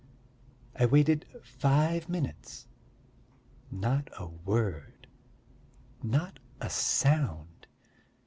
I waited five minutes not a word, not a sound.